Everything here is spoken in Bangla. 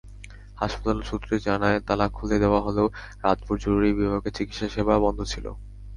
হাসপাতাল সূত্র জানায়, তালা খুলে দেওয়া হলেও রাতভর জরুরি বিভাগে চিকিত্সাসেবা বন্ধ ছিল।